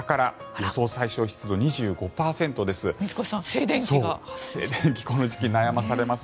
予想最小湿度２５％です。